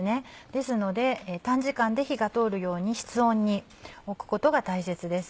ですので短時間で火が通るように室温に置くことが大切です。